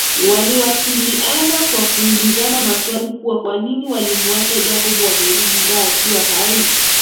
Waliwasiliana kwa kuulizana maswali kuwa kwanini walimuacha Jacob amerudi Dar akiwa hai